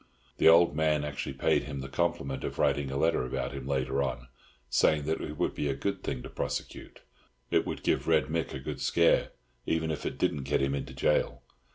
The old man actually paid him the compliment of writing a letter about him later on, saying that it would be a good thing to prosecute—it would give Red Mick a good scare, even if it didn't get him into gaol.